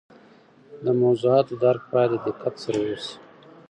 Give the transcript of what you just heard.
د موضوعات درک باید د دقت سره وسي.